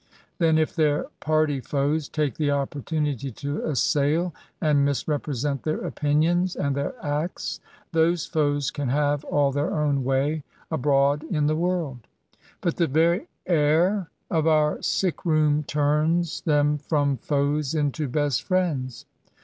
Then, if their party foes take the opportunity to assail and misrepresent their opinions and their acts, those foes can have all their own way abroad in the world ; but the very air of our sick room turns 208 K88ATS. them from foes into best friends.